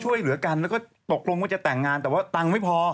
ช่วยเหลือกันแล้วก็ตกลงว่าจะแต่งงานแต่ว่าตังค์ไม่พอ